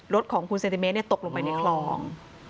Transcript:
รถของคุณเซนติเมตรตกลงไปในคลอง